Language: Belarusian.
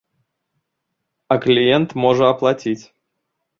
А кліент можа аплаціць.